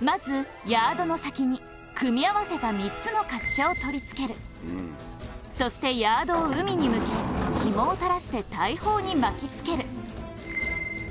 まずヤードの先に組み合わせた３つの滑車を取り付けるそしてヤードを海に向けひもを垂らして大砲に巻き付ける